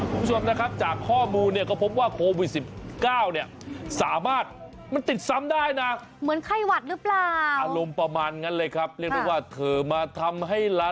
คุณผู้ชมนะครับจากข้อมูลก็พบว่าโควิด๑๙สามารถมันติดซ้ำได้นะ